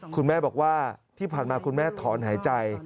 คุณแม่บอกว่าที่ผ่านมาคุณแม่ถอนหายใจ